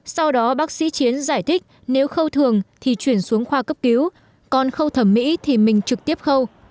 sau đó bác sĩ chiến giải thích nếu khâu thường thì chuyển xuống khoa cấp cứu còn khâu thẩm mỹ thì mình trực tiếp khâu